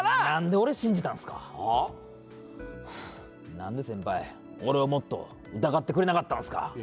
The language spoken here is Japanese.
何で先輩、俺をもっと疑ってくれなかったんですか！